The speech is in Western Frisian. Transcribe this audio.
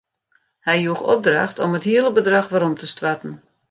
Hy joech opdracht om it hiele bedrach werom te stoarten.